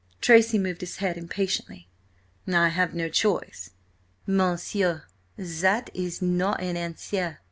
Tracy moved his head impatiently. "I have no choice." "Monsieur, that is not an answer.